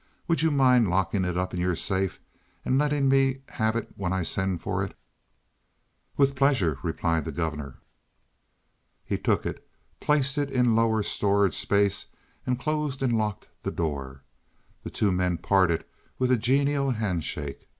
Would you mind locking it up in your safe and letting me have it when I send for it?" "With pleasure," replied the governor. He took it, placed it in lower storage space, and closed and locked the door. The two men parted with a genial hand shake.